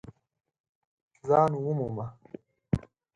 ځان ومومه !